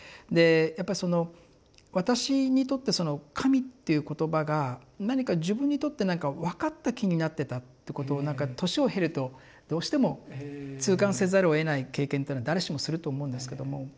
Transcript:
でやっぱりその私にとってその「神」っていう言葉が何か自分にとってなんか分かった気になってたってことをなんか年を経るとどうしても痛感せざるをえない経験っていうのは誰しもすると思うんですけども。